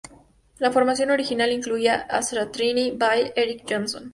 La formación original incluía a Satriani, Vai y Eric Johnson.